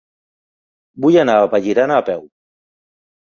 Vull anar a Vallirana a peu.